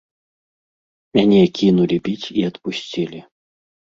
Мяне кінулі біць і адпусцілі.